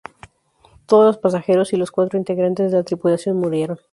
Todos los pasajeros y los cuatro integrantes de la tripulación murieron.